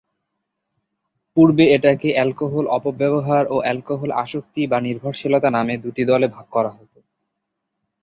পূর্বে এটাকে অ্যালকোহল অপব্যবহার ও অ্যালকোহল আসক্তি বা নির্ভরশীলতা নামে দুটি দলে ভাগ করা হত।